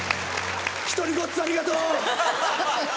『一人ごっつ』ありがとう！